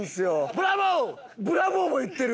「ブラボー」も言ってる。